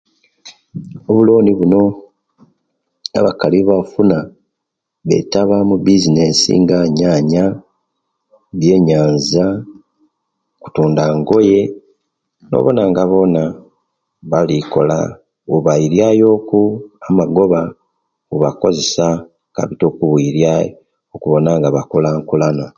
Obuloni buno abakali owebabufuna betaba mubisenesi nga enyanya, byenyanza, kutunda ngoye nobona nga bona balikola webailiayoku amagoba webakozesia capital okubiriayo okubona nga bakulankulana